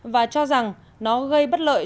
và cho rằng nó gây bất lợi